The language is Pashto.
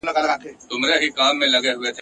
چي حکیم کړه ورنيژدې سږمو ته سوټه ..